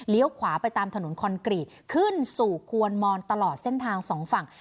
ขวาไปตามถนนคอนกรีตขึ้นสู่ควนมอนตลอดเส้นทางสองฝั่ง